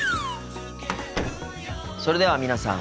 それでは皆さん